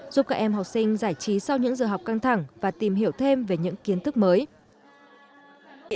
giúp các em học sinh giải trí sau những giờ học căng thẳng và tìm hiểu thêm về những kiến thức mới